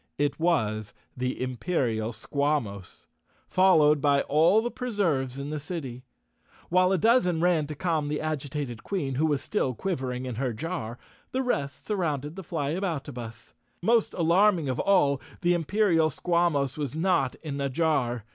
It was th'* Imperial Squawmos, followed by all the Preserves the city. While a dozen ran to calm the agitat* 214 _ Chapter Sixteen Queen, who was still quivering in her jar, the rest surrounded the Flyaboutabus. Most alarming of all, the Imperial Squawmos was not in a jar.